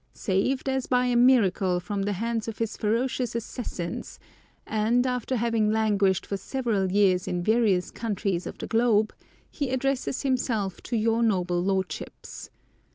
Saved, as by a miracle, from the hands of his ferocious assassins, and after having languished for several years in various countries of the globe, he addresses himself to your noble lordships.